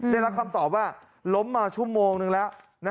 ได้รับคำตอบว่าล้มมาชั่วโมงนึงแล้ว